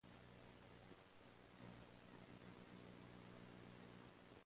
It continues to hold the record to this day.